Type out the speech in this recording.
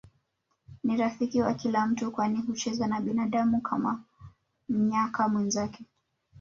Ni rafiki wa kila mtu kwani hucheza na binadamu Kama mnyaka mwenzake